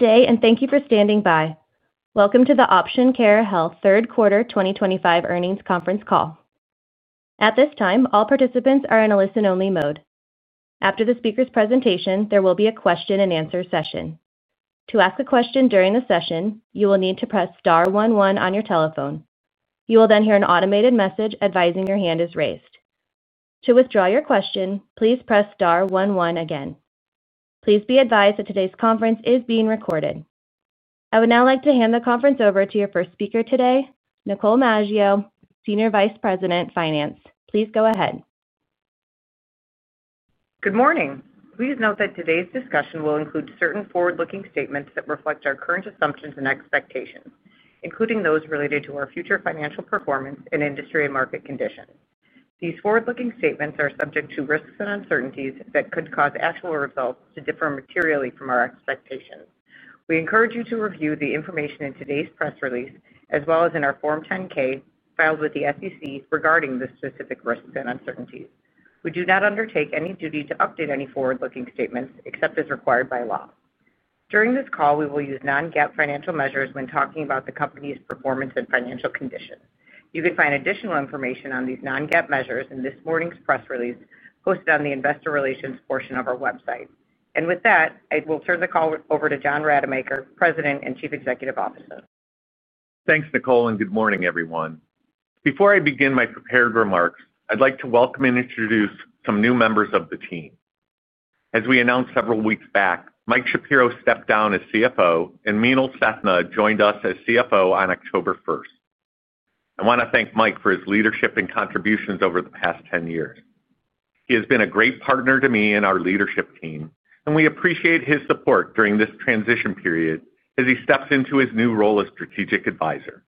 Good day and thank you for standing by. Welcome to the Option Care Health third quarter 2025 earnings conference call. At this time, all participants are in a listen only mode. After the speaker's presentation, there will be a question and answer session. To ask a question during the session, you will need to press star one one on your telephone. You will then hear an automated message advising your hand is raised. To withdraw your question, please press star one one again. Please be advised that today's conference is being recorded. I would now like to hand the conference over to your first speaker today, Nicole Maggio, Senior Vice President, Finance. Please go ahead. Good morning. Please note that today's discussion will include certain forward-looking statements that reflect our current assumptions and expectations, including those related to our future financial performance and industry and market conditions. These forward-looking statements are subject to risks and uncertainties that could cause actual results to differ materially from our expectations. We encourage you to review the information in today's press release as well as in our Form 10-K filed with the SEC regarding the specific risks and uncertainties. We do not undertake any duty to update any forward-looking statements except as required by law. During this call, we will use non-GAAP financial measures when talking about the company's performance and financial condition. You can find additional information on these non-GAAP measures in this morning's press release posted on the Investor Relations portion of our website. With that, I will turn the call over to John Rademacher, President and Chief Executive Officer. Thanks, Nicole, and good morning, everyone. Before I begin my prepared remarks, I'd like to welcome and introduce some new members of the team. As we announced several weeks back, Mike Shapiro stepped down as CFO and Meenal Sethna joined us as CFO on October 1st. I want to thank Mike for his leadership and contributions over the past 10 years. He has been a great partner to me and our leadership team, and we appreciate his support during this transition period as he steps into his new role as Strategic Advisor.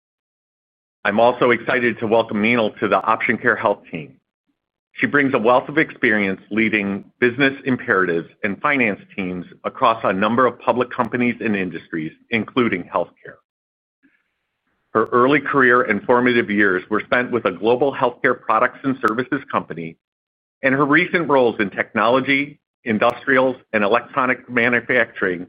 I'm also excited to welcome Meenal to the Option Care Health team. She brings a wealth of experience leading business imperatives and finance teams across a number of public companies and industries, including healthcare. Her early career and formative years were spent with a global healthcare products and services company, and her recent roles in technology, industrials, and electronic manufacturing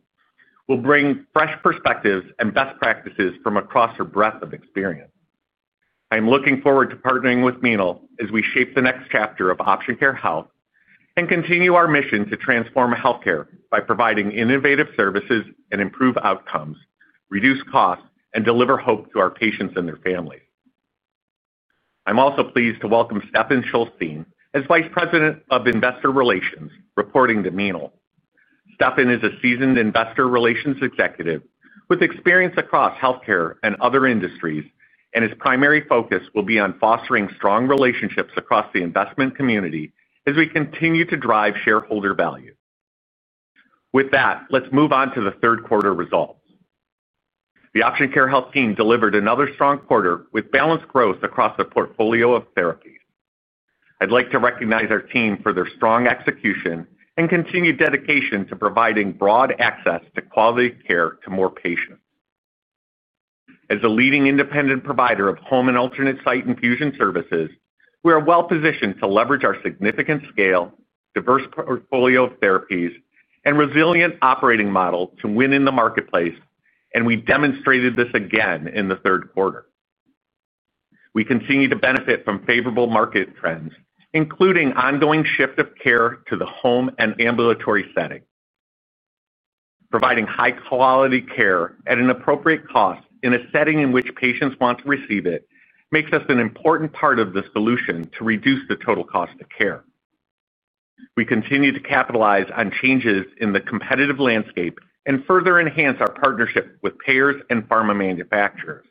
will bring fresh perspectives and best practices from across her breadth of experience. I'm looking forward to partnering with Meenal as we shape the next chapter of Option Care Health and continue our mission to transform healthcare by providing innovative services and improve outcomes, reduce costs, and deliver hope to our patients and their families. I'm also pleased to welcome Stephen Shulstein as Vice President of Investor Relations reporting to Meenal. Stephen is a seasoned investor relations executive with experience across healthcare and other industries, and his primary focus will be on fostering strong relationships across the investment community as we continue to drive shareholder value. With that, let's move on to the third quarter results. The Option Care Health team delivered another strong quarter with balanced growth across a portfolio of therapies. I'd like to recognize our team for their strong execution and continued dedication to providing broad access to quality care to more patients. As a leading independent provider of home and alternate site infusion services, we are well positioned to leverage our significant scale, diverse portfolio of therapies, and resilient operating model to win in the marketplace, and we demonstrated this again in the third quarter. We continue to benefit from favorable market trends, including ongoing shift of care to the home and ambulatory setting. Providing high quality care at an appropriate cost in a setting in which patients want to receive it makes us an important part of the solution to reduce the total cost of care. We continue to capitalize on changes in the competitive landscape and further enhance our partnership with payers and pharmaceutical manufacturers.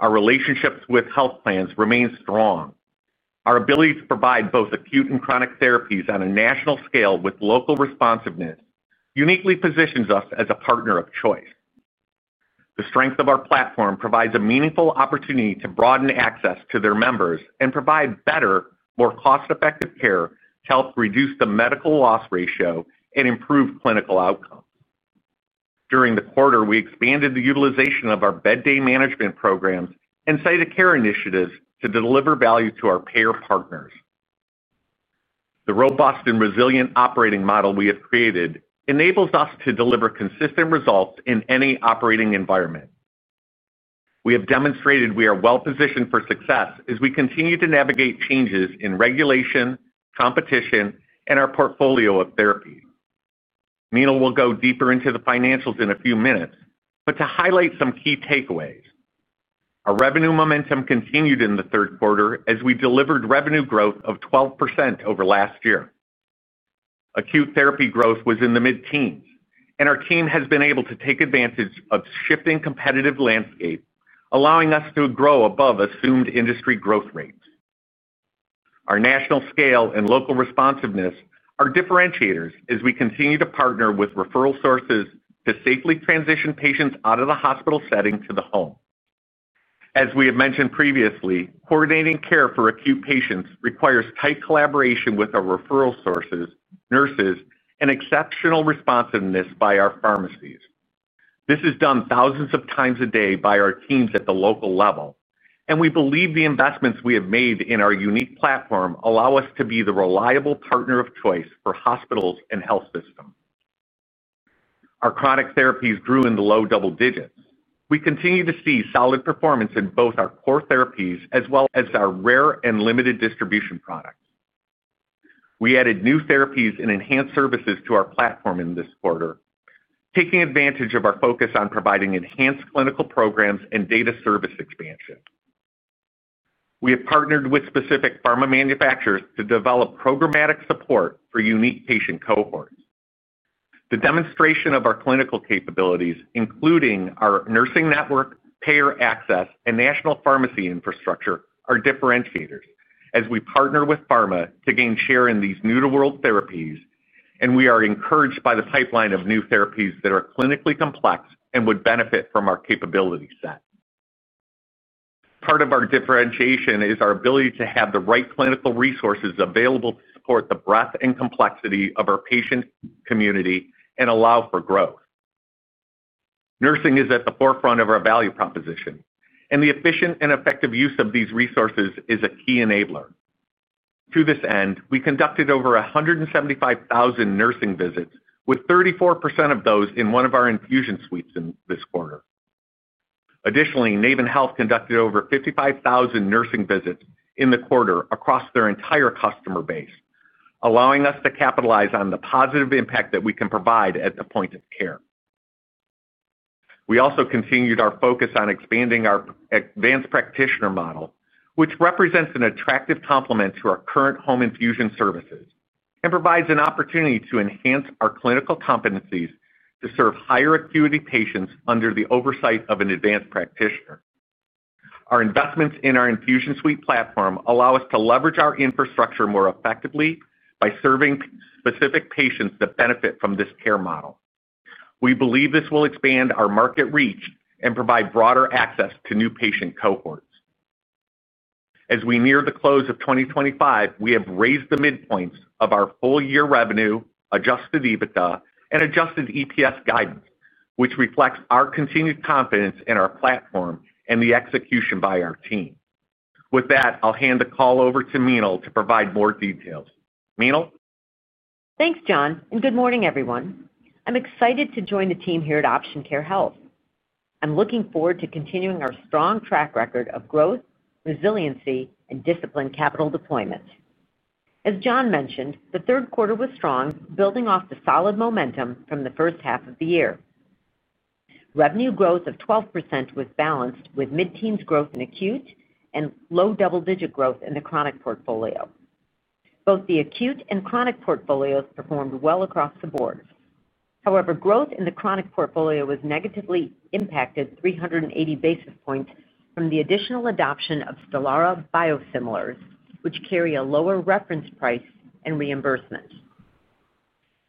Our relationships with health plans remain strong. Our ability to provide both acute and chronic therapies on a national scale with local responsiveness uniquely positions us as a partner of choice. The strength of our platform provides a meaningful opportunity to broaden access to their members and provide better, more cost effective care to help reduce the medical loss ratio and improve clinical outcomes. During the quarter, we expanded the utilization of our bed day management programs and sited care initiatives to deliver value to our payer partners. The robust and resilient operating model we have created enables us to deliver consistent results in any operating environment. We have demonstrated we are well positioned for success as we continue to navigate changes in regulation, competition, and our portfolio of therapies. Meenal will go deeper into the financials in a few minutes, but to highlight some key takeaways, our revenue momentum continued in the third quarter as we delivered revenue growth of 12% over last year. Acute therapy growth was in the mid teens and our team has been able to take advantage of shifting competitive landscape, allowing us to grow above assumed industry growth rates. Our national scale and local responsiveness are differentiators as we continue to partner with referral sources to safely transition patients out of the hospital setting to the home. As we have mentioned previously, coordinating care for acute patients requires tight collaboration with our referral sources, nurses, and exceptional responsiveness by our pharmacies. This is done thousands of times a day by our teams at the local level and we believe the investments we have made in our unique platform allow us to be the reliable partner of choice for hospitals and health systems. Our chronic therapies grew in the low double digits. We continue to see solid performance in both our core therapies as well as our rare and limited distribution products. We added new therapies and enhanced services to our platform in this quarter, taking advantage of our focus on providing enhanced clinical programs and data service expansion. We have partnered with specific pharmaceutical manufacturers to develop programmatic support for unique patient cohorts. The demonstration of our clinical capabilities, including our nursing network, payer access, and national pharmacy infrastructure, are differentiators as we partner with pharmaceutical manufacturers to gain share in these new-to-world therapies, and we are encouraged by the pipeline of new therapies that are clinically complex and would benefit from our capability set. Part of our differentiation is our ability to have the right clinical resources available to support the breadth and complexity of our patient community and allow for growth. Nursing is at the forefront of our value proposition, and the efficient and effective use of these resources is a key enabler to this end. We conducted over 175,000 nursing visits, with 34% of those in one of our infusion suites this quarter. Additionally, NavenHealth conducted over 55,000 nursing visits in the quarter across their entire customer base, allowing us to capitalize on the positive impact that we can provide at the point of care. We also continued our focus on expanding our advanced practitioner model, which represents an attractive complement to our current home infusion services and provides an opportunity to enhance our clinical competencies to serve higher acuity patients under the oversight of an advanced practitioner. Our investments in our infusion suite platform allow us to leverage our infrastructure more effectively by serving specific patients that benefit from this care model. We believe this will expand our market reach and provide broader access to new patient cohorts. As we near the close of 2025, we have raised the midpoints of our full year revenue, adjusted EBITDA, and adjusted EPS guidance, which reflects our continued confidence in our platform and the execution by our team. With that, I'll hand the call over to Meenal to provide more details. Meenal, thanks John, and good morning everyone. I'm excited to join the team here at Option Care Health. I'm looking forward to continuing our strong track record of growth, resiliency, and disciplined capital deployments. As John mentioned, the third quarter was strong, building off the solid momentum from the first half of the year. Revenue growth of 12% was balanced with mid-teens growth in acute and low double-digit growth in the chronic portfolio. Both the acute and chronic portfolios performed well across the board. However, growth in the chronic portfolio was negatively impacted 380 basis points from the additional adoption of Stelara biosimilars, which carry a lower reference price and reimbursement.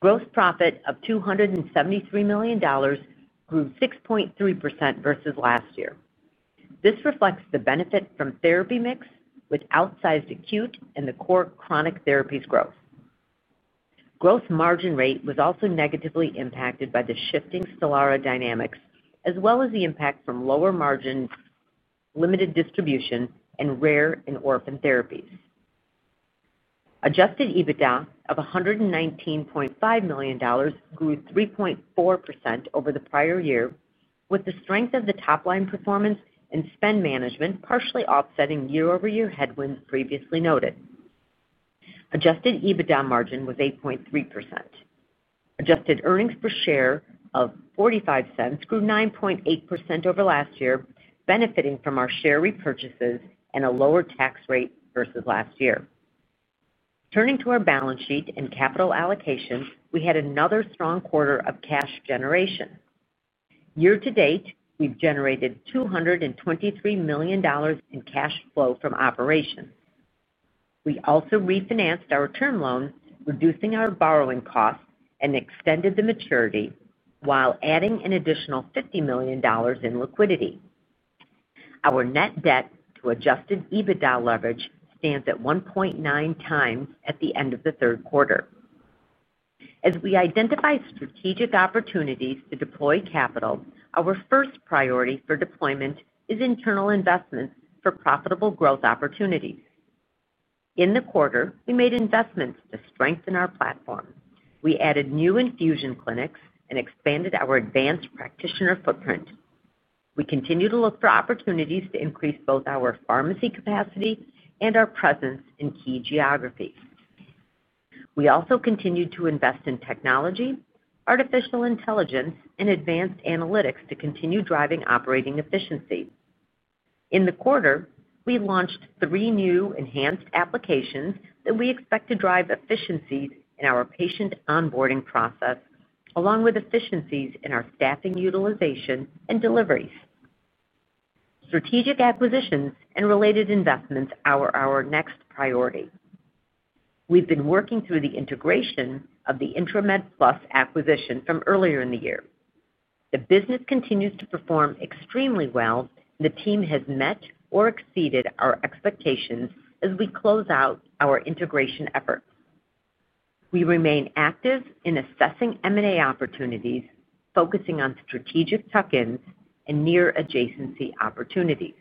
Gross profit of $273 million grew 6.3% versus last year. This reflects the benefit from therapy mix with outsized acute and the core chronic therapies. Gross margin rate was also negatively impacted by the shifting Stelara dynamics as well as the impact from lower margin, limited distribution, and rare and orphan therapies. Adjusted EBITDA of $119.5 million grew 3.5% over the prior year, with the strength of the top line performance and spend management partially offsetting year-over-year headwinds previously noted. Adjusted EBITDA margin was 8.3%. Adjusted earnings per share of $0.45 grew 9.8% over last year, benefiting from our share repurchases and a lower tax rate versus last year. Turning to our balance sheet and capital allocation, we had another strong quarter of cash generation. Year-to-date, we've generated $223 million in cash flow from operations. We also refinanced our term loan, reducing our borrowing costs and extended the maturity while adding an additional $50 million in liquidity. Our net debt to adjusted EBITDA leverage stands at 1.9x at the end of the third quarter. As we identify strategic opportunities to deploy capital, our first priority for deployment is internal investments for profitable growth opportunities. In the quarter, we made investments to strengthen our platform. We added new infusion clinics and expanded our advanced practitioner footprint. We continue to look for opportunities to increase both our pharmacy capacity and our presence in key geographies. We also continued to invest in technology, artificial intelligence, and advanced analytics to continue driving operating efficiency. In the quarter, we launched three new enhanced applications that we expect to drive efficiencies in our patient onboarding process, along with efficiencies in our staffing, utilization, and deliveries. Strategic acquisitions and related investments are our next priority. We've been working through the integration of the Intramed Plus acquisition from earlier in the year. The business continues to perform extremely well, and the team has met or exceeded our expectations. As we close out our integration efforts, we remain active in assessing M&A opportunities, focusing on strategic tuck-ins and near adjacency opportunities.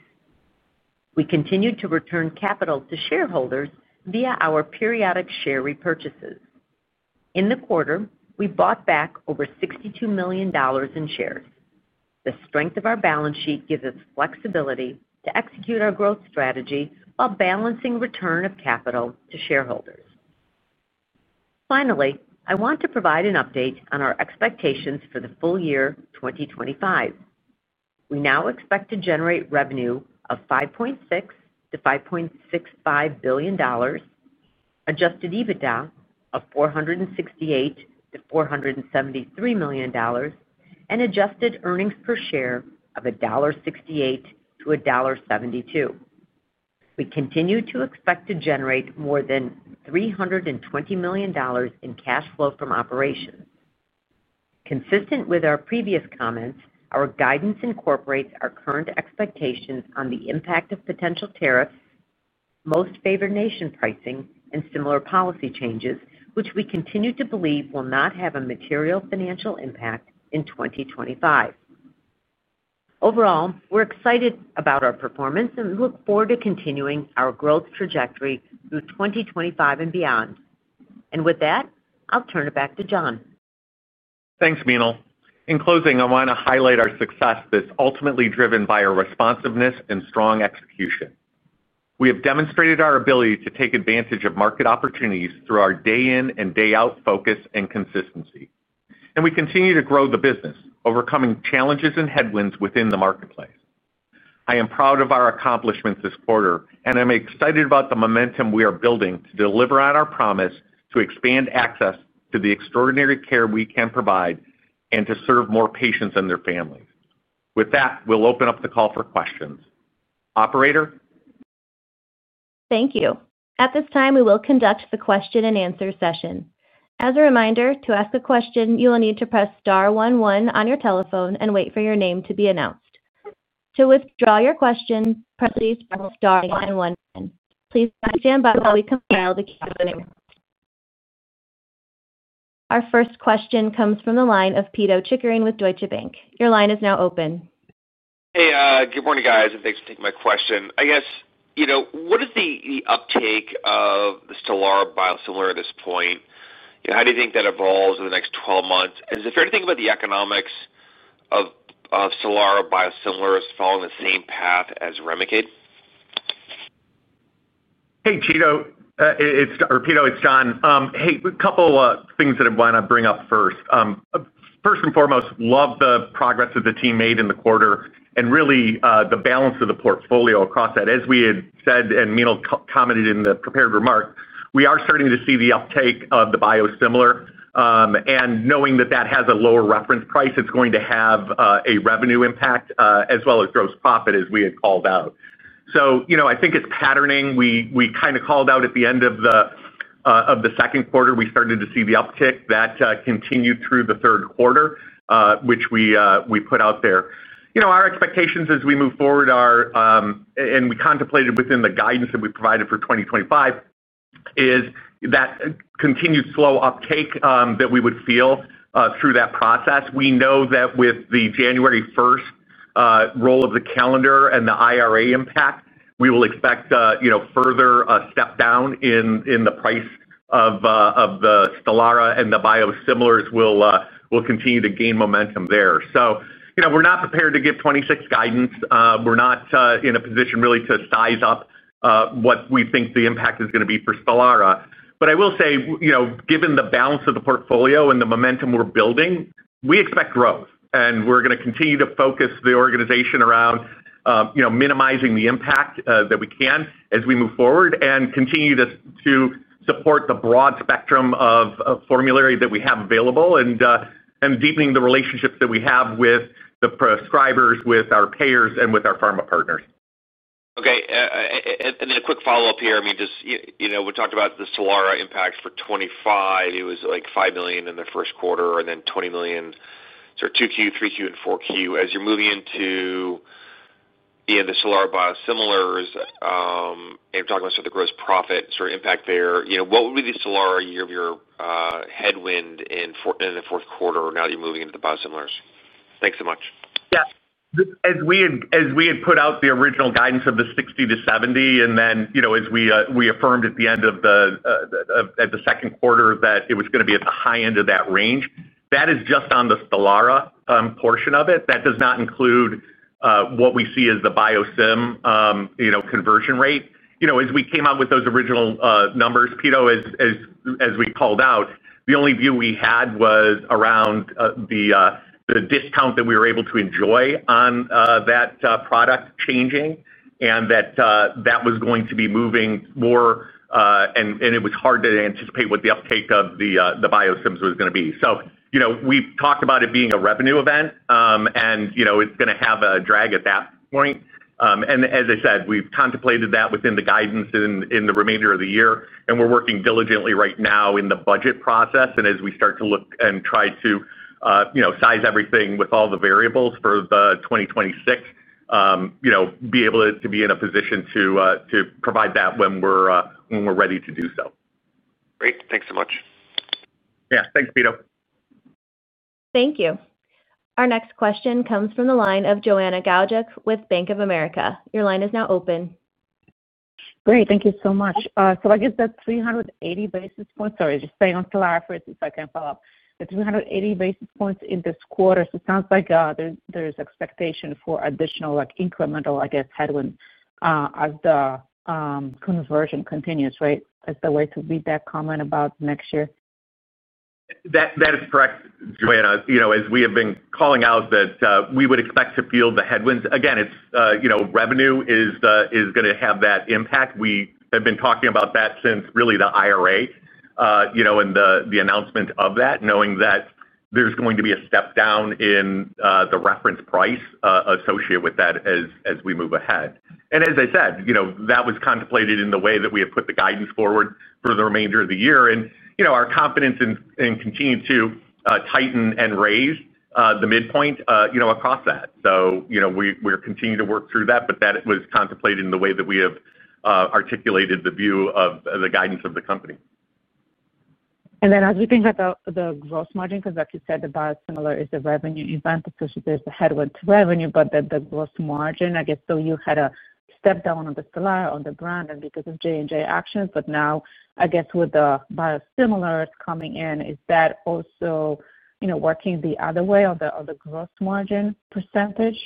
We continued to return capital to shareholders via our periodic share repurchases. In the quarter, we bought back over $62 million in shares. The strength of our balance sheet gives us flexibility to execute our growth strategy while balancing return of capital to shareholders. Finally, I want to provide an update on our expectations for the full year 2025. We now expect to generate revenue of $5.6 to $5.65 billion, adjusted EBITDA of $468 to $473 million, and adjusted earnings per share of $1.68-$1.72. We continue to expect to generate more than $320 million in cash flow from operations. Consistent with our previous comments, our guidance incorporates our current expectations on the impact of potential tariffs, most favored nation pricing, and similar policy changes, which we continue to believe will not have a material financial impact in 2025. Overall, we're excited about our performance and look forward to continuing our growth trajectory through 2025 and beyond. With that, I'll turn it back to John. Thanks, Meenal. In closing, I want to highlight our success that's ultimately driven by our responsiveness and strong execution. We have demonstrated our ability to take advantage of market opportunities through our day in and day out focus and consistency, and we continue to grow the business, overcoming challenges and headwinds within the marketplace. I am proud of our accomplishments this quarter, and I'm excited about the momentum we are building to deliver on our promise to expand access to the extraordinary care we can provide and to serve more patients and their families. With that, we'll open up the call for questions. Operator, Thank you. At this time, we will conduct the question and answer session. As a reminder, to ask a question, you will need to press star one one on your telephone and wait for your name to be announced. To withdraw your question, press Release. Stand by while we compile the Q&A. Our first question comes from the line of Pito Chickering with Deutsche Bank. Your line is now open. Hey, good morning guys and thanks for taking my question. I guess what is the uptake of the Stelara biosimilar at this point? How do you think that evolves over the next 12 months? Is it fair to think about the economics of Stelara biosimilars following the same path as Remicade? Hey Pito, it's John. A couple things that I want to bring up first. First and foremost, love the progress that the team made in the quarter and really the balance of the portfolio across that. As we had said and Meenal commented in the prepared remarks, we are starting to see the uptake of the biosimilar and knowing that that has a lower reference price, it's going to have a revenue impact as well as gross profit, as we had called out. I think it's patterning. We kind of called out at the end of the second quarter. We started to see the uptick that continued through the third quarter which we put out there. Our expectations as we move forward are, and we contemplated within the guidance that we provided for 2025, is that continued slow uptake that we would feel through that process. We know that with the January 1st roll of the calendar and the IRA impact, we will expect further step down in the price of the Stelara and the biosimilars will continue to gain momentum there. We're not prepared to give 2026 guidance. We're not in a position really to size up what we think the impact is going to be for Stelara. I will say given the balance of the portfolio and the momentum we're building, we expect growth and we're going to continue to focus the organization around minimizing the impact that we can as we move forward and continue to support the broad spectrum of formulary that we have available and deepening the relationships that we have with the prescribers, with our payers and with our pharma partners. Okay, and then a quick follow up here. I mean, just we talked about the Stelara impact for 2025. It was like $5 million in the first quarter and then $20 million. So 2Q, 3Q and 4Q as you're moving into the Stelara biosimilars and talking about the gross profit sort of impact there, what would be the Stelara year-over-year headwind in the fourth quarter now that you're moving into the biosimilars? Thanks so much. Yeah. As we had put out the original guidance of the $60 million-$70 million and then, you know, as we affirmed at the end of the, at the second quarter that it was going to be at the high end of that range, that is just on the Stelara portion of it. That does not include what we see as the biosim, you know, conversion rate, you know, as we came out with those original numbers, Pito, as we called out, the only view we had was around the discount that we were able to enjoy on that product changing and that that was going to be moving more. It was hard to anticipate what the uptake of the biosims was going to be. You know, we talked about it being a revenue event and, you know, it's going to have a drag at that point. As I said, we've contemplated that within the guidance in the remainder of the year and we're working diligently right now in the budget process. As we start to look and try to size everything with all the variables for 2026, be able to be in a position to provide that when we're ready to do so. Great. Thanks so much. Yeah, thanks, Pito. Thank you. Our next question comes from the line of Joanna Gajuk with Bank of America. Your line is now open. Great. Thank you so much. I guess that 380 basis points, sorry, just staying on salaries. If I can follow up, the 380 basis points in this quarter, it sounds like there's expectation for additional, like incremental, I guess, headwind as the conversion continues. Right? Is there a way to read that comment about next year? That is correct, Joanna, as we have been calling out that we would expect to feel the headwinds again, revenue is going to have that impact. We have been talking about that since really the IRA, you know, and the announcement of that, knowing that there's going to be a step down in the reference price associated with that as we move ahead. As I said, that was contemplated in the way that we have put the guidance forward for the remainder of the year and our confidence in continuing to tighten and raise the midpoint across that. We are continuing to work through that. That was contemplated in the way that we have articulated the view of the guidance of the company. As we think about the gross margin, because like you said, the biosimilar is a revenue event. There's a headwind to revenue. The gross margin, I guess, so you had a step down on the Stelara on the brand and because of J&J actions. Now, I guess with the biosimilars coming in, is that also working the other way on the gross margin percentage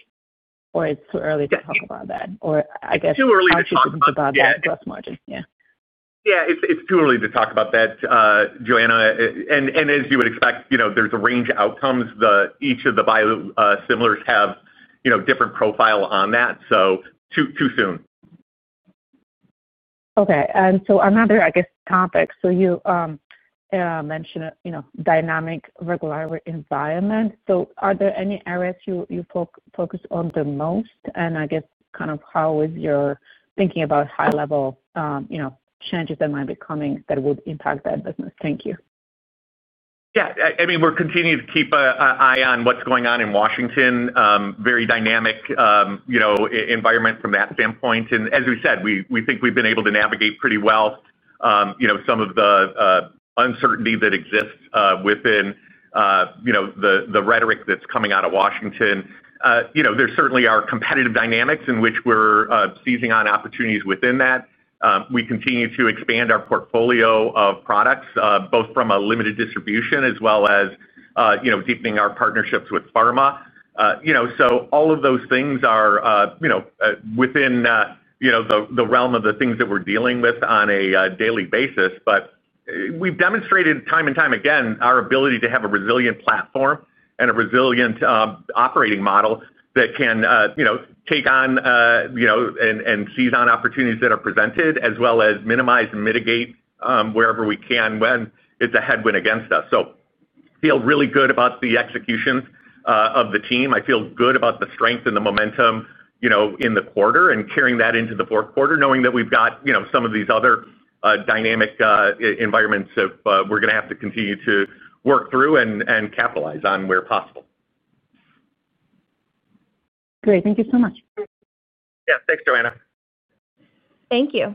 or it's too early to talk about that, or I guess too early to talk about that. Gross margin. Yeah, It's too early to talk about that, Joanna. As you would expect, there's a range of outcomes. Each of the biosimilars have different profile on that. Too soon. Okay. Another topic, you mentioned dynamic regulatory environment. Are there any areas you focus on the most, and how is your thinking about high level changes that might be coming that would impact that business? Thank you. Yeah, I mean, we're continuing to keep an eye on what's going on in Washington. Very dynamic environment from that standpoint. As we said, we think we've been able to navigate pretty well some of the uncertainty that exists within the rhetoric that's coming out of Washington. There certainly are competitive dynamics in which we're seizing on opportunities within that. We continue to expand our portfolio of products both from a limited distribution as well as deepening our partnerships with pharma. All of those things are within the realm of the things that we're dealing with on a daily basis. We've demonstrated time and time again our ability to have a resilient platform and a resilient operating model that can take on and seize on opportunities that are presented as well as minimize and mitigate wherever we can when it's a headwind against us. I feel really good about the execution of the team. I feel good about the strength and the momentum in the quarter and carrying that into the fourth quarter, knowing that we've got some of these other dynamic environments we're going to have to continue to work through and capitalize on where possible. Great, thank you so much. Yeah, thanks, Joanna. Thank you.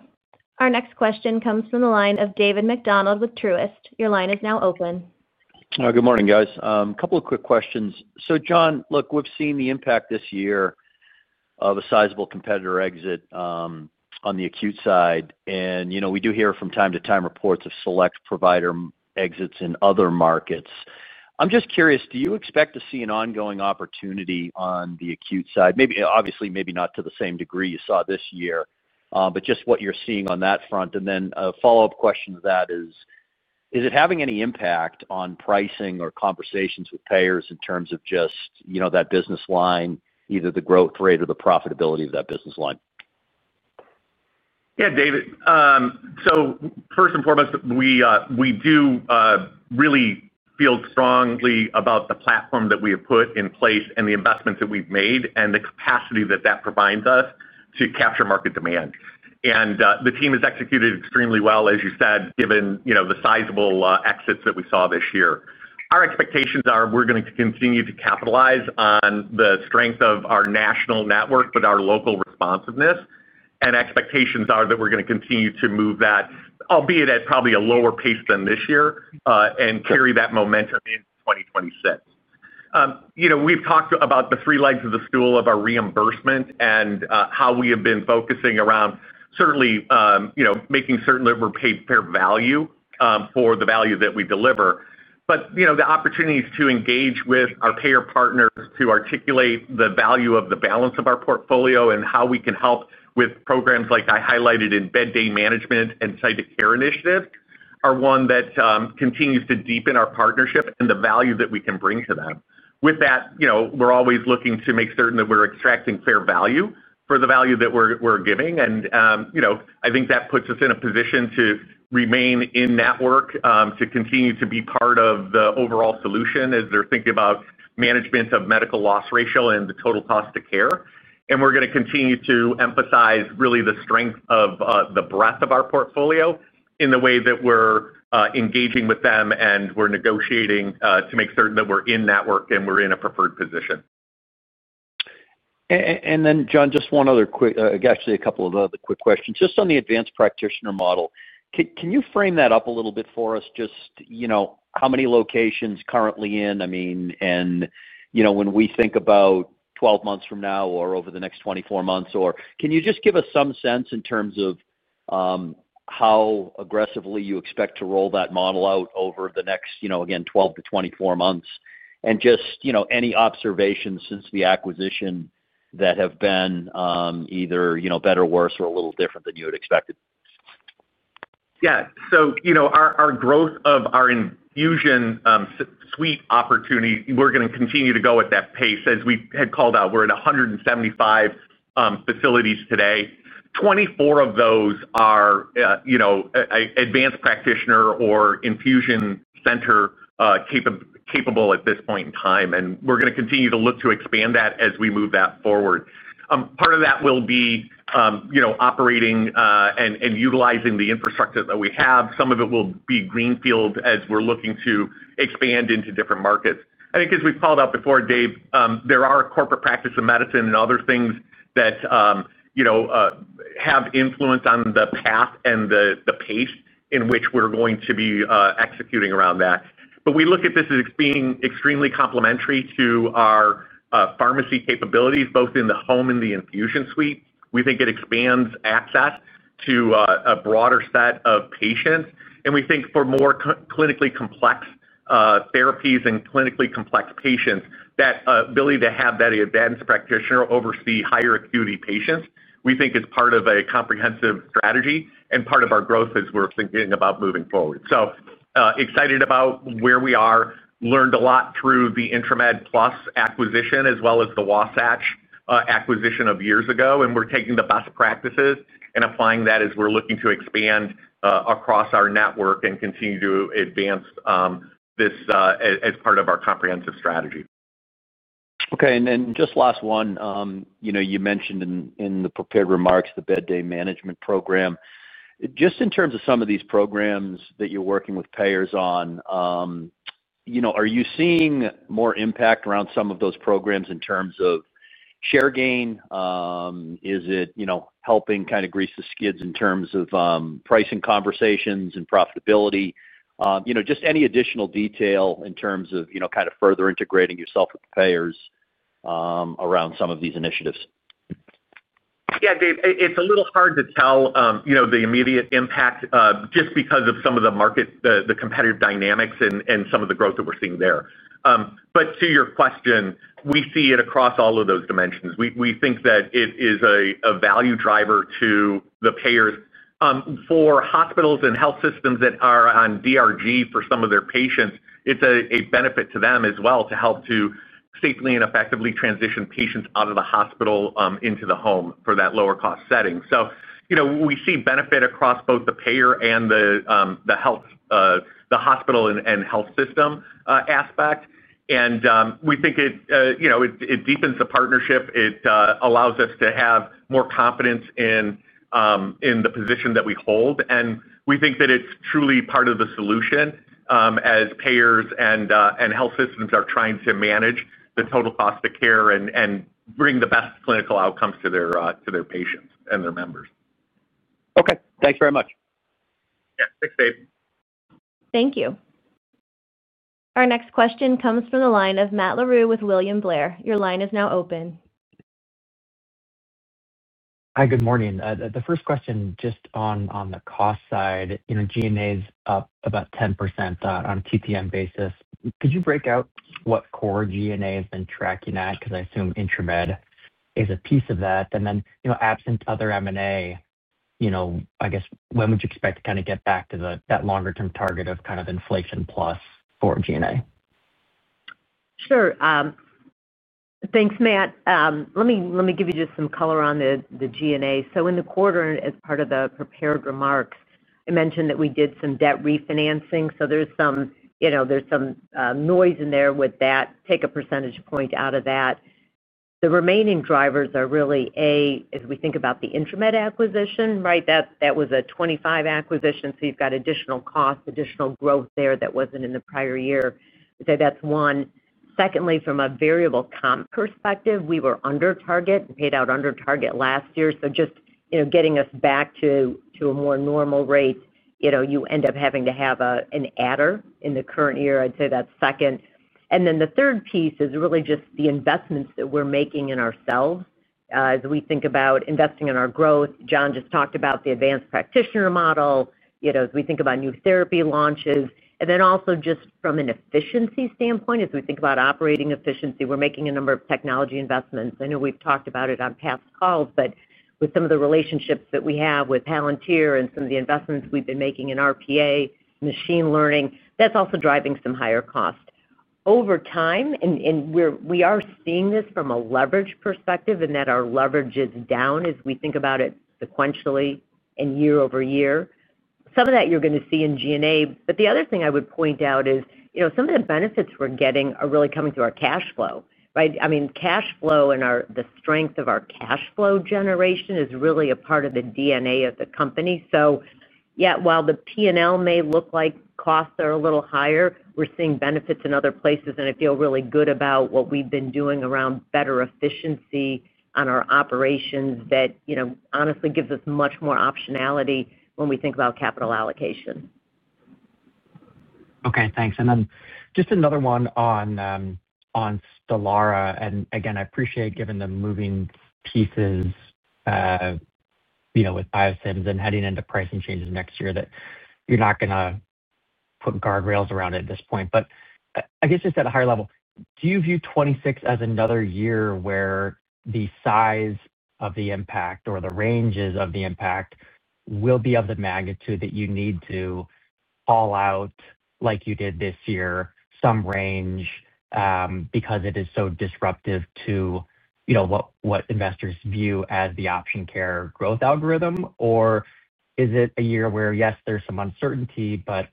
Our next question comes from the line of David MacDonald with Truist. Your line is now open. Good morning, guys. Couple of quick questions. John, look, we've seen the impact this year of a sizable competitor exit on the acute side. You know, we do hear from time to time reports of select provider exits in other markets. I'm just curious, do you expect to see an ongoing opportunity on the acute side? Maybe. Obviously, maybe not to the same degree you saw this year, but just what you're seeing on that front. A follow up question to that is, is it having any impact on pricing or conversations with payers in terms of just, you know, that business line, either the growth rate or the profitability of that business. Yeah, David. First and foremost, we do really feel strongly about the platform that we have put in place and the investments that we've made and the capacity that that provides us to capture market demand. The team has executed extremely well, as you said, given the sizable exits that we saw this year. Our expectations are we're going to continue to capitalize on the strength of our national network, but our local responsiveness and expectations are that we're going to continue to move that, albeit at probably a lower pace than this year and carry that momentum into 2026. We've talked about the three legs of the stool of our reimbursement and how we have been focusing around certainly making certain that we're paid fair value for the value that we deliver. The opportunities to engage with our payer partners to articulate the value of the balance of our portfolio and how we can help with programs like I highlighted in Bed Day Management and Site of Care initiative are ones that continue to deepen our partnership and the value that we can bring to them. With that, we're always looking to make certain that we're extracting fair value for the value that we're giving. I think that puts us in a position to remain in that work to continue to be part of the overall solution as they're thinking about management of medical loss ratio and the total cost of care. We're going to continue to emphasize really the strength of the breadth of our portfolio in the way that we're engaging with them and we're negotiating to make certain that we're in that work and we're in a preferred position. John, just one other quick, actually a couple of other quick questions just on the advanced practitioner model. Can you frame that up a little bit for us? Just, you know, how many locations currently in? I mean, and you know, when we think about 12 months from now or over the next 24 months, can you just give us some sense in terms of how aggressively you expect to roll that model out over the next 12 months-24 months? Just any observations since the acquisition that have been either better or worse or a little different than you had expected? Yeah. Our growth of our Fusion suite opportunity, we're going to continue to go at that pace. As we had called out, we're at 175 facilities today. Twenty four of those are advanced practitioner or infusion center capable at this point in time. We're going to continue to look to expand that as we move that forward. Part of that will be operating and utilizing the infrastructure that we have. Some of it will be greenfield as we're looking to expand into different markets. I think as we called out before, Dave, there are corporate practice in medicine and other things that have influence on the path and the pace in which we're going to be executing around that. We look at this as being extremely complementary to our pharmacy capabilities both in the home and the infusion suite. We think it expands access to a broader set of patients. We think for more clinically complex therapies and clinically complex patients, that ability to have that advanced practitioner oversee higher acuity patients is part of a comprehensive strategy and part of our growth as we're thinking about moving forward. Excited about where we are. Learned a lot through the Intramed Plus acquisition as well as the Wasatch acquisition of years ago. We're taking the best practices and applying that as we're looking to expand across our network and continue to advance this as part of our comprehensive strategy. Okay, just last one, you mentioned in the prepared remarks the bed day management program. In terms of some of these programs that you're working with payers on, are you seeing more impact around some of those programs in terms of share gain? Is it helping kind of grease the skids in terms of pricing conversations and profitability? Any additional detail in terms of further integrating yourself with the payers around some of these initiatives? Yeah, Dave, it's a little hard to tell the immediate impact just because of some of the market, the competitive dynamics, and some of the growth that we're seeing there. To your question, we see it across all of those dimensions. We think that it is a value driver to the payers. For hospitals and health systems that are on DRG for some of their patients, it's a benefit to them as well to help to safely and effectively transition patients out of the hospital into the home for that lower cost setting. We see benefit across both the payer and the hospital and health system aspect. We think it deepens the partnership. It allows us to have more confidence in the position that we hold. We think that it's truly part of the solution as payers and health systems are trying to manage the total cost of care and bring the best clinical outcomes to their patients and their members. Okay, thanks very much. Thanks, Dave. Thank you. Our next question comes from the line of Matt Larew with William Blair. Your line is now open. Hi, good morning. The first question, just on the cost side, you know, G&A is up about 10% on a TPM basis. Could you break out what core G&A has been tracking at? I assume Intramed Plus is a piece of that. Absent other M&A, I guess, when would you expect to kind of get back to that longer term target of kind of inflation plus for G&A? Sure. Thanks, Matt. Let me give you just some color on the G&A. In the quarter, as part of the prepared remarks, I mentioned that we did some debt refinancing. There's some noise in there with that. Take a percentage point out of that. The remaining drivers are really, as we think about the Intramed Plus acquisition, right, that was a 2023 acquisition. You've got additional cost, additional growth there that wasn't in the prior year. That's one. Secondly, from a variable comp perspective, we were under target, paid out under target last year. Just getting us back to a more normal rate, you end up having to have an adder in the current year. I'd say that's second. The third piece is really just the investments that we're making in ourselves as we think about investing in our growth. John just talked about the advanced practitioner model, as we think about new therapy launches. Also, just from an efficiency standpoint, as we think about operating efficiency, we're making a number of technology investments. I know we've talked about it on past calls, but with some of the relationships that we have with Palantir and some of the investments we've been making in RPA, machine learning, that's also driving some higher cost over time. We are seeing this from a leverage perspective in that our leverage is down as we think about it sequentially and year-over-year. Some of that you're going to see in G&A. The other thing I would point out is, some of the benefits we're getting are really coming through our cash flow. I mean, cash flow and the strength of our cash flow generation is really a part of the DNA of the company. Yet while the P&L may look like costs are a little higher, we're seeing benefits in other places. I feel really good about what we've been doing around better efficiency on our operations. That honestly gives us much more optionality when we think about capital allocation. Okay, thanks. Just another one on Stelara. I appreciate, given the moving pieces with biosimilars and heading into pricing changes next year, that you're not going to put guardrails around it at this point, but I guess just at a higher level, do you view 2026 as another year where the size of the impact or the ranges of the impact will be of the magnitude that you need to call out like you did this year, some range because it is so disruptive to what investors view as the Option Care Health growth algorithm? Is it a year where, yes, there's some uncertainty but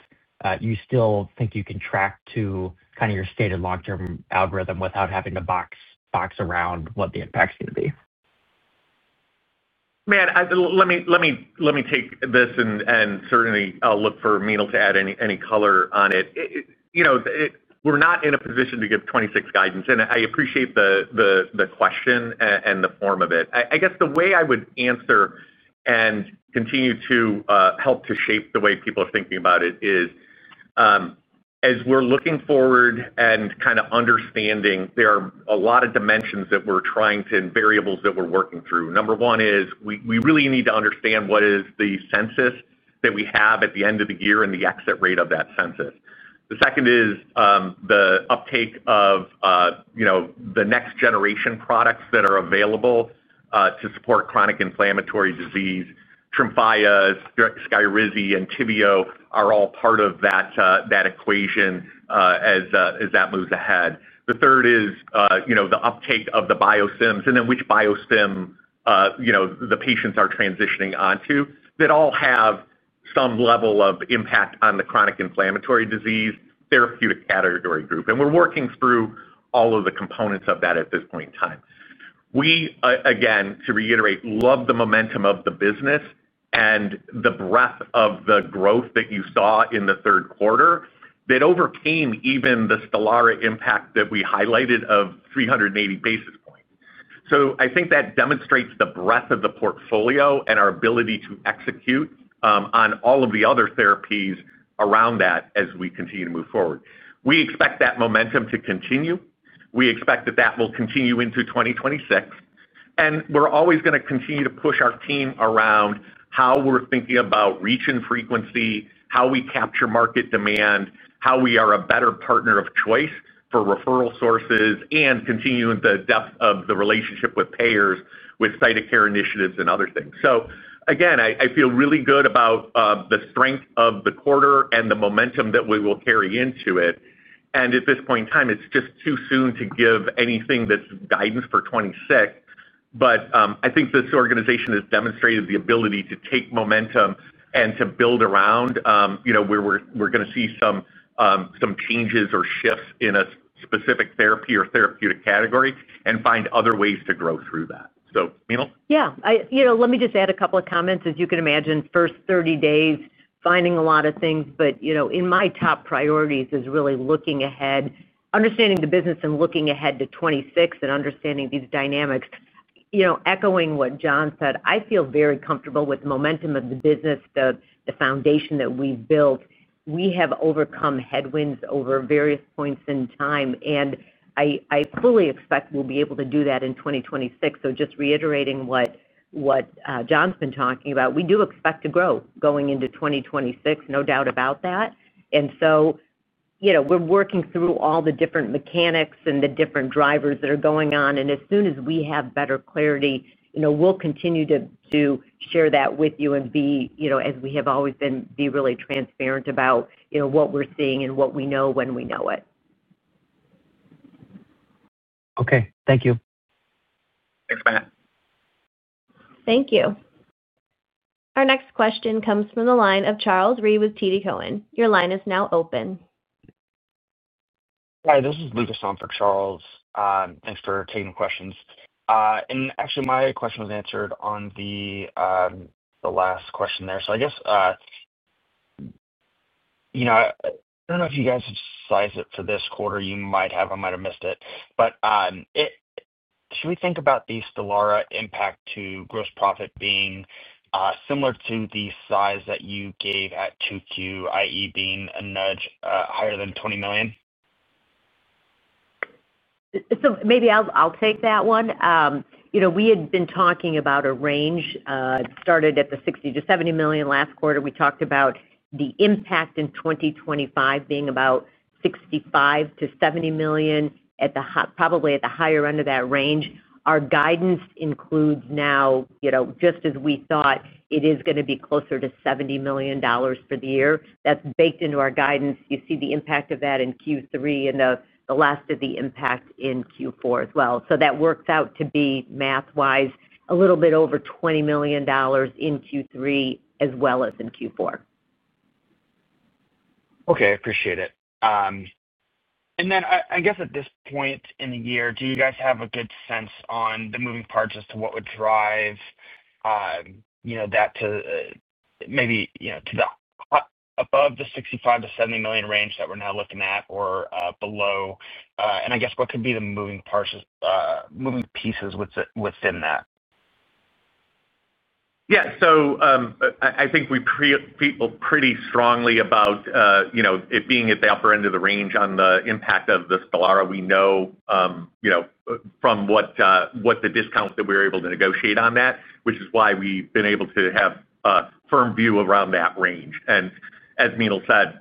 you still think you can track to kind of your stated long term algorithm without having to box around what the impact's going to be? Matt, let me take this and certainly I'll look for Meenal to add any color on it. We're not in a position to give 2026 guidance and I appreciate the question and the form of it. I guess the way I would answer and continue to help to shape the way people are thinking about it is as we're looking forward and kind of understanding there are a lot of dimensions that we're trying to and variables that we're working through. Number one is we really need to understand what is the census that we have at the end of the year and the exit rate of that census. The second is the uptake of the next generation products that are available to support chronic inflammatory disease. Tremfaya, Skyrizi, and Tibio are all part of that equation as that moves ahead. The third is the uptake of the biosimilars and then which biosimilar the patients are transitioning onto that all have some level of impact on the chronic inflammatory disease therapeutic category group and we're working through all of the components of that at this point in time. Again, to reiterate, love the momentum of the business and the breadth of the growth that you saw in the third quarter that overcame even the Stelara impact that we highlighted of 380 basis points. I think that demonstrates the breadth of the portfolio and our ability to execute on all of the other therapies around that as we continue to move forward. We expect that momentum to continue. We expect that that will continue into 2026 and we're always going to continue to push our team around how we're thinking about reach and frequency, how we capture market demand, how we are a better partner of choice for referral sources, and continuing the depth of the relationship with payers, with site of care initiatives and other things. Again, I feel really good about the strength of the quarter and the momentum that we will carry into it and at this point in time it's just too soon to give anything that's guidance for 2026. I think this organization has demonstrated the ability to take momentum and to build around where we're going to see some changes or shifts in a specific therapy or therapeutic category and find other ways to grow through that. Meenal, let me just add a couple of comments. As you can imagine, first 30 days finding a lot of things, but in my top priorities is really looking ahead, understanding the business and looking ahead to 2026 and understanding these dynamics. Echoing what John said, I feel very comfortable with the momentum of the business, the foundation that we built. We have overcome headwinds over various points in time and I fully expect we'll be able to do that in 2026. Just reiterating what John's been talking about, we do expect to grow going into 2026, no doubt about that. We're working through all the different mechanics and the different drivers that are going on. As soon as we have better clarity, we'll continue to share that with you and be, as we have always been, really transparent about what we're seeing and what we know when we know it. Okay, thank you. Thanks, Matt. Thank you. Our next question comes from the line of Charles Reed with TD Cowen. Your line is now open. Hi, this is Lucas on for Charles. Thanks for taking questions. Actually, my question was answered on the last question there. I guess. I don't know if you guys have sized it for this quarter. You might have, I might have missed it. Should we think about the Stelara impact to gross profit being similar to the size that you gave at 2Q, that is, being a nudge higher than $20 million? Maybe I'll take that one. We had been talking about a range that started at the $60 million-$70 million last quarter. We talked about the impact in 2025 being about $65 million-$70 million, probably at the higher end of that range. Our guidance includes now, just as we thought, it is going to be closer to $70 million for the year. That's baked into our guidance. You see the impact of that in Q3 and the last of the impact in Q4 as well. That works out to be, math wise, a little bit over $20 million in Q3 as well as in Q4. Okay, I appreciate it. At this point in the year, do you guys have a good sense on the moving parts as to what would drive that to maybe above the $65 million-$70 million range that we're. Now looking at or below, and I. Guess what could be the moving pieces within that? Yeah, I think we feel pretty strongly about it being at the upper end of the range on the impact of Stelara. We know from the discounts that we were able to negotiate on that, which is why we've been able to have a firm view around that range. As Meenal said,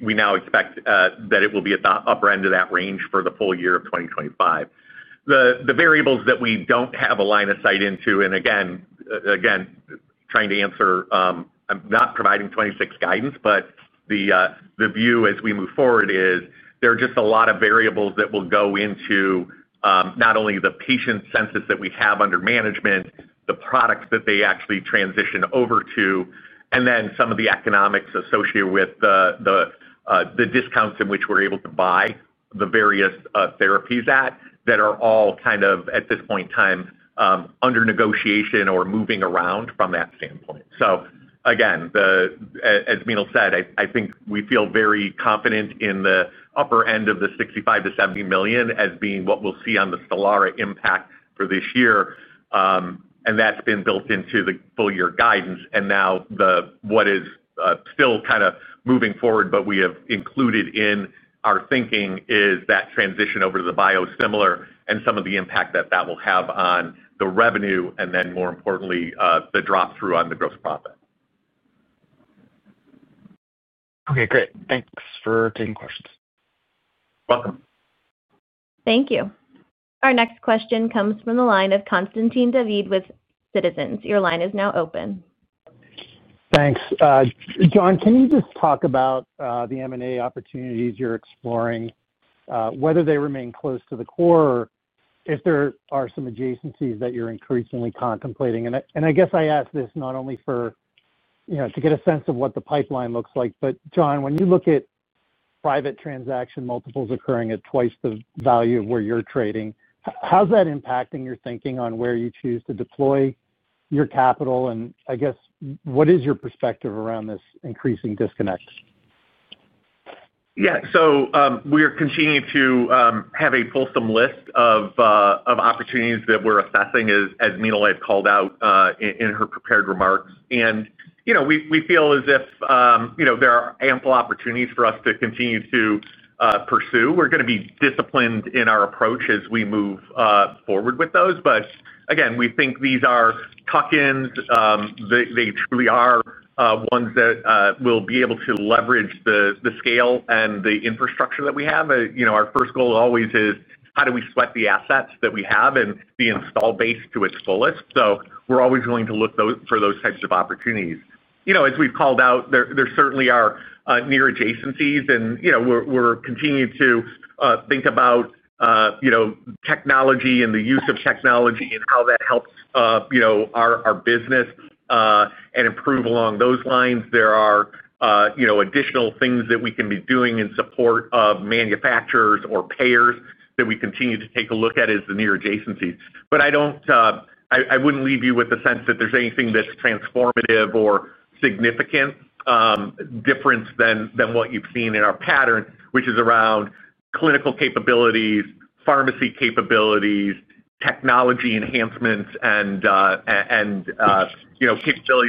we now expect that it will be at the upper end of that range for the full year of 2025. The variables that we don't have a line of sight into, and again, I'm not providing 2026 guidance, but the view as we move forward is there are just a lot of variables that will go into not only the patient census that we have under management, the products that they actually transition over to, and then some of the economics associated with the discounts in which we're able to buy the various therapies at that are all at this point in time under negotiation or moving around from that standpoint. As Meenal said, I think we feel very confident in the upper end of the $65 million-$70 million as being what we'll see on the Stelara impact for this year. That's been built into the full year guidance. What is still moving forward but we have included in our thinking is that transition over to the biosimilar and some of the impact that that will have on the revenue and then more importantly the drop through on the gross profit. Okay, great. Thanks for taking questions. Welcome. Thank you. Our next question comes from the line of Constantine Davides with Citizens. Your line is now open. Thanks, John. Can you just talk about the M&A opportunities you're exploring, whether they remain close to the core or if there are some adjacencies that you're increasingly contemplating? I ask this not only to get a sense of what the pipeline looks like, but John, when you look at private transaction multiples occurring at twice the value of where you're trading, how's that impacting your thinking on where you choose to deploy your capital? What is your perspective around this increasing disconnect? Yeah, we are continuing to have a fulsome list of opportunities that we're assessing as Meenal called out in her prepared remarks. We feel as if there are ample opportunities for us to continue to pursue. We're going to be disciplined in our approach as we move forward with those. Again, we think these are tuck-ins. They truly are ones that will be able to leverage the scale and the infrastructure that we have. Our first goal always is how do we sweat the assets that we have and the install base to its fullest. We're always going to look for those types of opportunities. As we've called out, there certainly are near adjacencies. We're continuing to think about technology and the use of technology and how that helps our business and improve along those lines. There are additional things that we can be doing in support of manufacturers or payers that we continue to take a look at as the near adjacencies. I wouldn't leave you with the sense that there's anything that's transformative or significant difference than what you've seen in our pattern, which is around clinical capabilities, pharmacy capabilities, technology enhancements and capabilities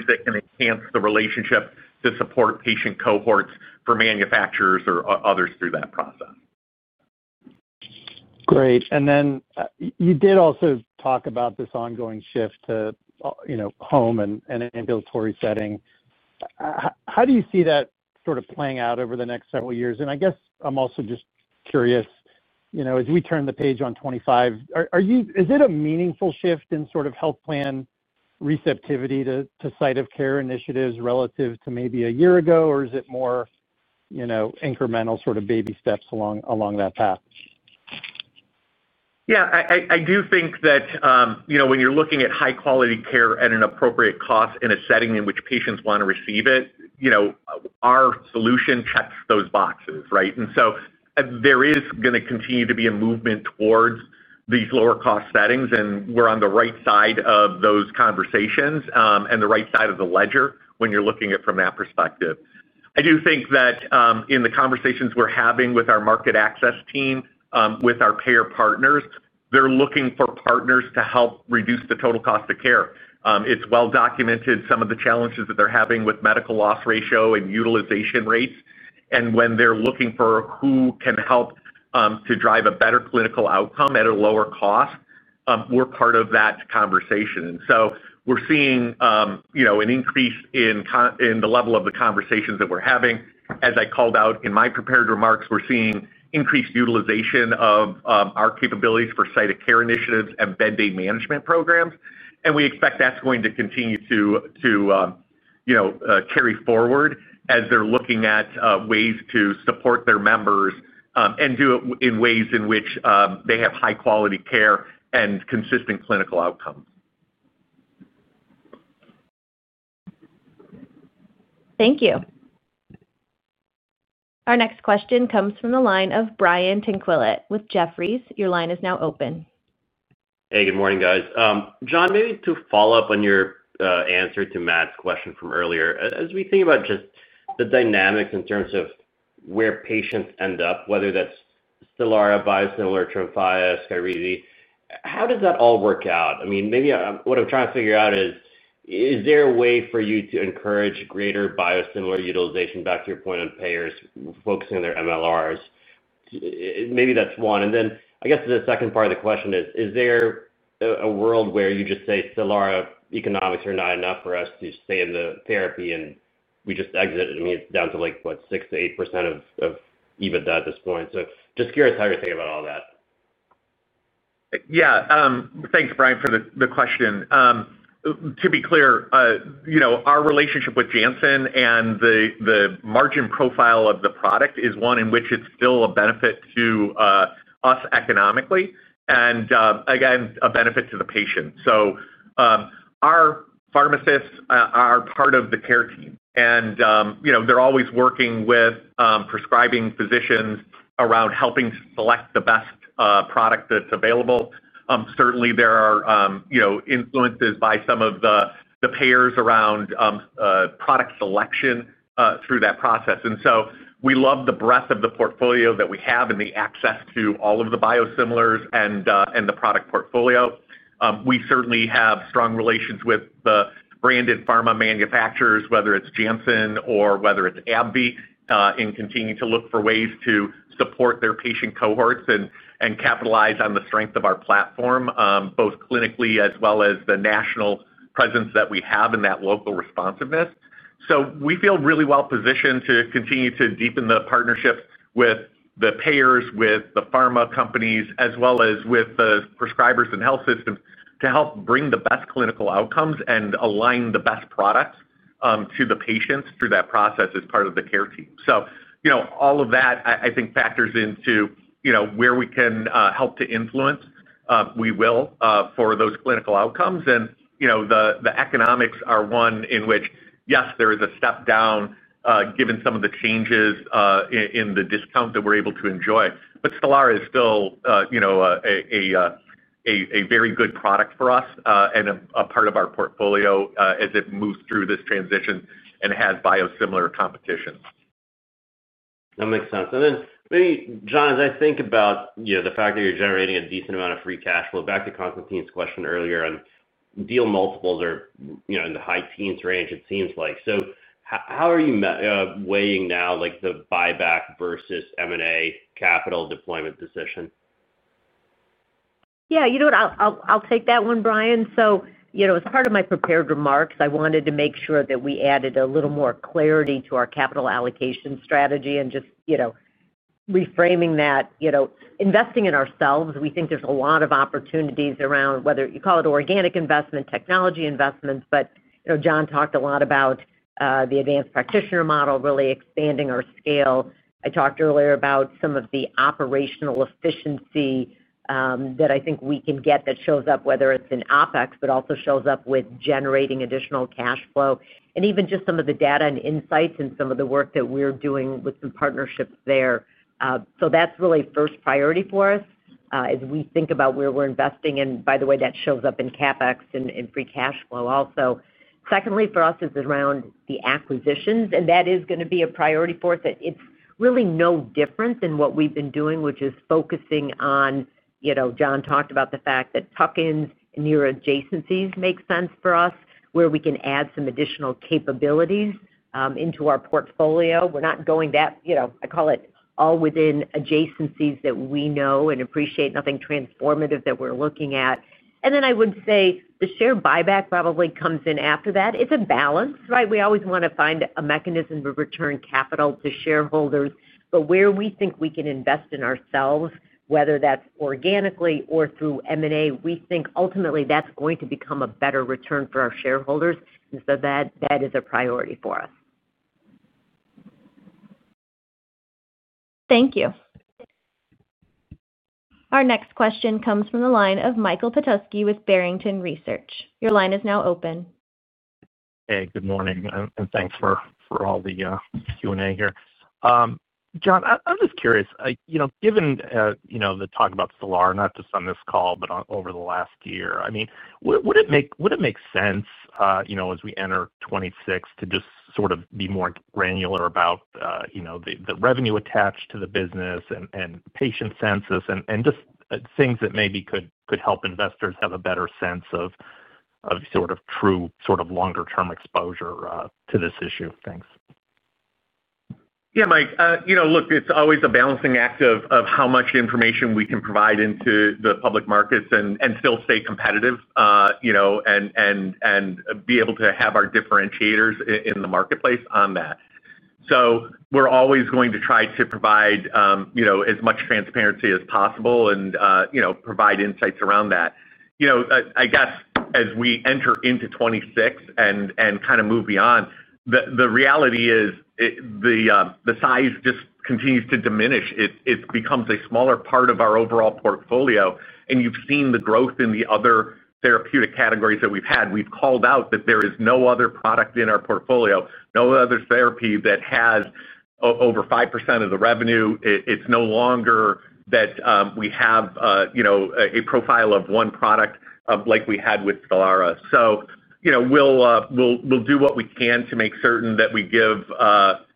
that can enhance the relationship to support patient cohorts for manufacturers or others through that process. Great. You did also talk about this ongoing shift to home and ambulatory settings. How do you see that sort of playing out over the next several years? I'm also just curious as we turn the page on 2025, is it a meaningful shift in sort of health plan receptivity to site of care initiatives relative to maybe a year ago, or is it more incremental sort of baby steps along that path? Yeah, I do think that when you're looking at high quality care at an appropriate cost in a setting in which patients want to receive it, our solution checks those boxes. There is going to continue to be a movement towards these lower cost settings. We're on the right side of those conversations and the right side of the ledger when you're looking at it from that perspective. I do think that in the conversations we're having with our market access team, with our payer partners, they're looking for partners to help reduce the total cost of care. It's well documented, some of the challenges that they're having with medical loss ratio and utilization rates, and when they're looking for who can help to drive a better clinical outcome at a lower cost, we're part of that conversation. We're seeing an increase in the level of the conversations that we're having. As I called out in my prepared remarks, we're seeing increased utilization of our capabilities for site of care initiatives and bed day management programs. We expect that's going to continue to carry forward as they're looking at ways to support their members and do it in ways in which they have high quality care and consistent clinical outcomes. Thank you. Our next question comes from the line of Brian Tanquilut with Jefferies. Your line is now open. Hey, good morning, guys. John, maybe to follow up on your answer to Matt's question from earlier. As we think about just the dynamics in terms of where patients end up, whether that's Stelara, biosimilar, Tremfaya, Skyrizi, how does that all work out? I mean, maybe what I'm trying to figure out is, is there a way for you to encourage greater biosimilar utilization? Back to your point on payers focusing on their MLRs, maybe that's one. I guess the second part of the question is, is there a world where you just say Stelara economics are not enough for us to stay in the therapy and we just exit? I mean, it's down to like, what, 6%-8% at this point. Just curious how you're thinking about all that. Yeah, thanks, Brian, for the question. To be clear, our relationship with Janssen and the margin profile of the product is one in which it's still a benefit to us economically and again, a benefit to the patient. Our pharmacists are part of the care team and they're always working with prescribing physicians around helping select the best product that's available. Certainly there are influences by some of the payers around product selection through that process. We love the breadth of the portfolio that we have and the access to all of the biosimilars and the product portfolio. We certainly have strong relations with the branded pharmaceutical manufacturers, whether it's Janssen or whether it's AbbVie, in continuing to look for ways to support their patient cohorts and capitalize on the strength of our platform, both clinically as well as the national presence that we have in that local responsiveness. We feel really well positioned to continue to deepen the partnership with the payers, with the pharmaceutical companies as well as with the prescribers and health systems to help bring the best clinical outcomes and align the best products to the patients through that process as part of the care team. All of that, I think, factors into where we can help to influence, we will for those clinical outcomes. The economics are one in which, yes, there is a step down given some of the changes in the discount that we're able to enjoy. Stelara is still a very good product for us and a part of our portfolio as it moves through this transition and had biosimilar competition. That makes sense. Maybe, John, as I think about the fact that you're generating a decent amount of free cash flow, back to Konstantin's question earlier, deal multiples are in the high teens range. It seems like how are you weighing now the buyback versus M&A capital deployment decision. Yeah, you know what, I'll take that one, Brian. As part of my prepared remarks, I wanted to make sure that we added a little more clarity to our capital allocation strategy and just reframing that investing in ourselves. We think there's a lot of opportunities around whether you call it organic investment, technology investments. John talked a lot about the advanced practitioner model, really expanding our scale. I talked earlier about some of the operational efficiency that I think we can get that shows up whether it's in OpEx, but also shows up with generating additional cash flow and even just some of the data and insights and some of the work that we're doing with some partnerships there. That's really first priority for us as we think about where we're investing. By the way, that shows up in CapEx and free cash flow. Also, secondly for us is around the acquisitions and that is going to be a priority for us. It's really no different than what we've been doing which is focusing on, you know, John talked about the fact that tuck-ins near adjacencies make sense for us where we can add some additional capabilities into our portfolio. We're not going that, you know, I call it all within adjacencies that we know and appreciate. Nothing transformative that we're looking at. I would say the share buyback probably comes in after that. It's a balance. Right. We always want to find a mechanism to return capital to shareholders, but where we think we can invest in ourselves, whether that's organically or through M&A, we think ultimately that's going to become a better return for our shareholders. That is a priority for us. Thank you. Our next question comes from the line of Michael Petusky with Barrington Research. Your line is now open. Hey, good morning and thanks for all the Q&A here. John, I'm just curious, given the talk about Stelara, not just on this call, but over the last year, would it make sense as we enter 2026 to just sort of be more granular about the revenue attached to the business and patient census and just things that maybe could help investors have a better sense of true longer term exposure to this issue. Thanks. Yeah, Mike, you know, look, it's always a balancing act of how much information we can provide into the public markets and still stay competitive, you know, and be able to have our differentiators in the marketplace on that. We're always going to try to provide as much transparency as possible and provide insights around that. I guess as we enter into 2026 and kind of move beyond, the reality is the size just continues to diminish. It becomes a smaller part of our overall portfolio. You've seen the growth in the other therapeutic categories that we've had. We've called out that there is no other product in our portfolio, no other therapy that has over 5% of the revenue. It's no longer that we have a profile of one product like we had with Stelara. We'll do what we can to make certain that we give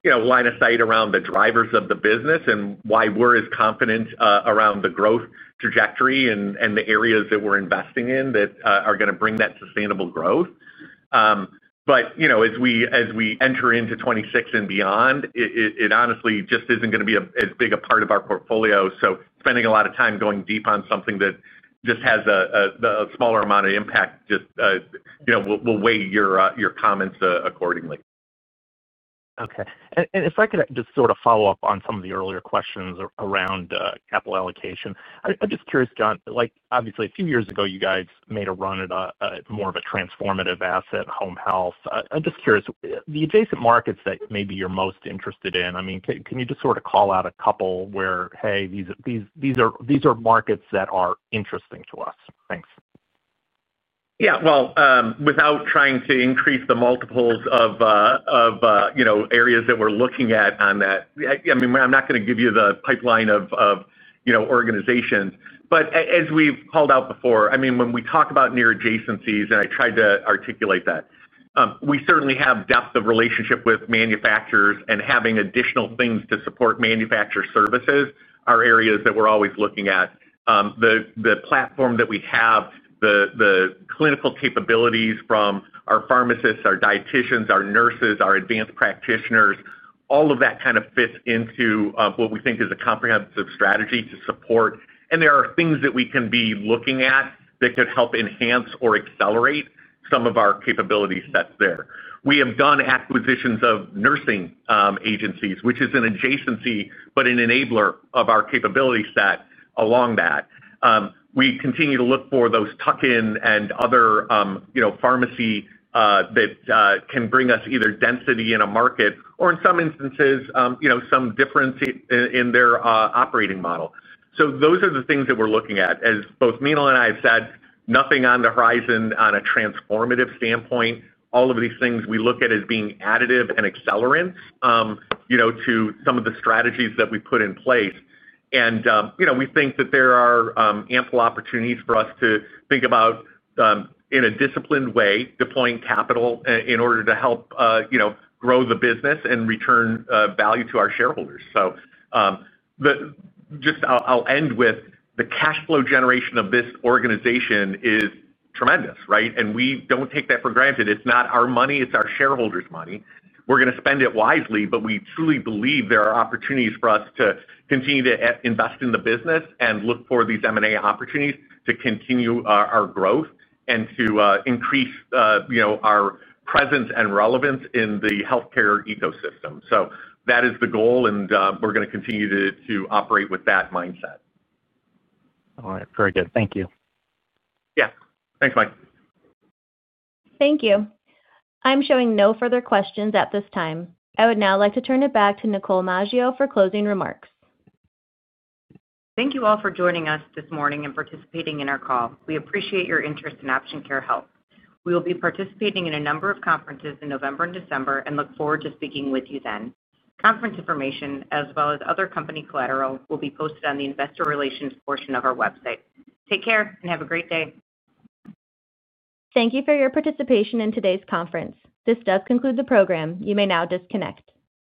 line of sight around the drivers of the business and why we're as confident around the growth trajectory and the areas that we're investing in that are going to bring that sustainable growth. As we enter into 2026 and beyond, it honestly just isn't going to be as big a part of our portfolio. Spending a lot of time going deep on something that just has a smaller amount of impact just will weigh your comments accordingly. Okay. If I could just sort of follow up on some of the earlier questions around capital allocation. I'm just curious, John, obviously a few years ago you guys made a run at more of a transformative asset, home health. I'm just curious, the adjacent markets that maybe you're most interested in, can you just sort of call out a couple where, hey, these are markets that are interesting to us. Thanks. Without trying to increase the multiples of areas that we're looking at, I'm not going to give you the pipeline of organizations, but as we've called out before, when we talk about near adjacencies and I tried to articulate that we certainly have depth of relationship with manufacturers and having additional things to support manufacturer services, areas that we're always looking at, the platform that we have, the clinical capabilities from our pharmacists, our dietitians, our nurses, our advanced practitioners, all of that kind of fits into what we think is a comprehensive strategy to support. There are things that we can be looking at that could help enhance or accelerate some of our capabilities that's there. We have done acquisitions of nursing agencies, which is an adjacency but an enabler of our capability set. We continue to look for those tuck-in and other pharmacy that can bring us either density in a market or in some instances some difference in their operating model. Those are the things that we're looking at. As both Meenal and I have said, nothing on the horizon. On a transformative standpoint, all of these things we look at as being additive and accelerant to some of the strategies that we put in place. We think that there are ample opportunities for us to think about in a disciplined way, deploying capital in order to help grow the business and return value to our shareholders. I'll end with the cash flow generation of this organization is tremendous. We don't take that for granted. It's not our money, it's our shareholders' money. We're going to spend it wisely. We truly believe there are opportunities for us to continue to invest in the business and look for these M&A opportunities to continue our growth and to increase our presence and relevance in the healthcare ecosystem. That is the goal and we're going to continue to operate with that mindset. All right, very good. Thank you. Yeah, thanks, Mike. Thank you. I'm showing no further questions at this time. I would now like to turn it back to Nicole Maggio for closing remarks. Thank you all for joining us this morning and participating in our call. We appreciate your interest in Option Care Health. We will be participating in a number of conferences in November and December. Look forward to speaking with you then. Conference information as well as other company collateral will be posted on the investor relations portion of our website. Take care and have a great day. Thank you for your participation in today's conference. This does conclude the program. You may now disconnect.